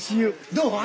どう？